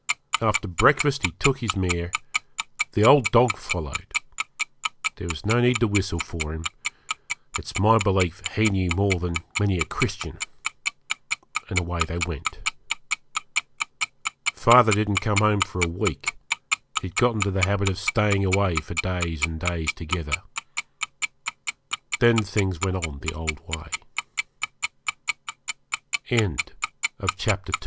After breakfast he took his mare, the old dog followed; there was no need to whistle for him it's my belief he knew more than many a Christian and away they went. Father didn't come home for a week he had got into the habit of staying away for days and days together. Then things went on the old way. Chapter 3 So the year